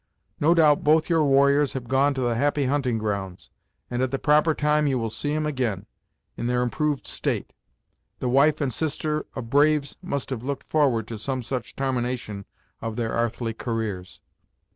No doubt both your warriors have gone to the Happy Hunting Grounds, and at the proper time you will see 'em ag'in, in their improved state. The wife and sister of braves must have looked forward to some such tarmination of their 'arthly careers."